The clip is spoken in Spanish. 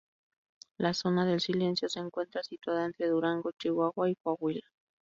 La Zona del Silencio se encuentra situada entre Durango, Chihuahua y Coahuila.